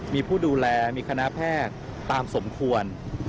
มีผู้ดูแลมีคณะแพทย์ตามสมควร